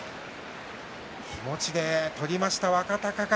気持ちで取りました若隆景。